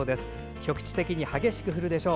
局地的に激しく降るでしょう。